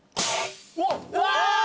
うわ！